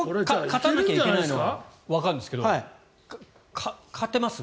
勝たなきゃいけないのはわかるんですけど勝てます。